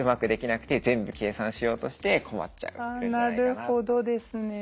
なるほどですね。